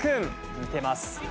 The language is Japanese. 似てます。